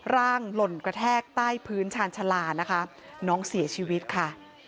หล่นกระแทกใต้พื้นชาญชาลานะคะน้องเสียชีวิตค่ะ